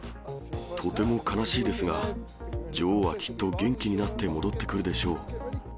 とても悲しいですが、女王はきっと元気になって戻ってくるでしょう。